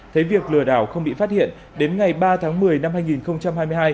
thấy việc lừa đảo không bị phát hiện đến ngày ba tháng một mươi năm hai nghìn hai mươi hai